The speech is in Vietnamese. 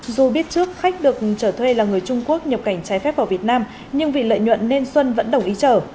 dù biết trước khách được trở thuê là người trung quốc nhập cảnh trái phép vào việt nam nhưng vì lợi nhuận nên xuân vẫn đồng ý chở